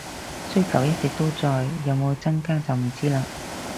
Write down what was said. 需求一直都存在，有冇增加就唔知喇